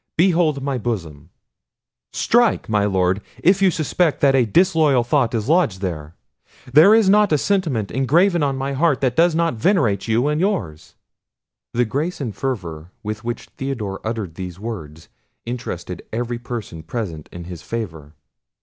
"Behold my bosom; strike, my Lord, if you suspect that a disloyal thought is lodged there. There is not a sentiment engraven on my heart that does not venerate you and yours." The grace and fervour with which Theodore uttered these words interested every person present in his favour.